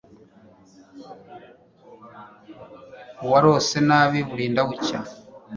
uwarose nabi burinda bucya